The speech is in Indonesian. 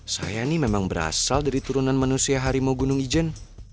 saya ini memang berasal dari turunan manusia harimau gunung ijen